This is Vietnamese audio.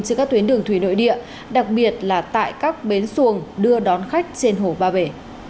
trên các tuyến đường thủy nội địa đặc biệt là tại các bến xuồng đưa đón khách trên hồ ba bể